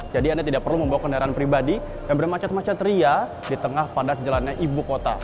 jadi anda tidak perlu membawa kendaraan pribadi dan bermacet macet ria di tengah padat jalannya ibu kota